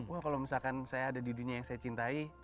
wah kalau misalkan saya ada di dunia yang saya cintai